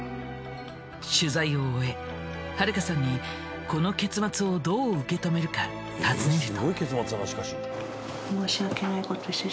取材を終え春香さんにこの結末をどう受け止めるか尋ねると。